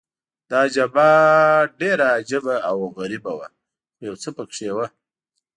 دا جبهه ډېره عجبه او غریبه وه، خو یو څه په کې وو.